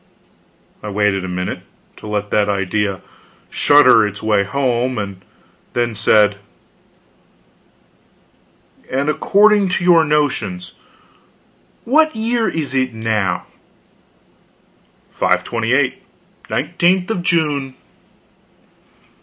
I waited a minute, to let that idea shudder its way home, and then said: "And according to your notions, what year is it now?" "528 nineteenth of June."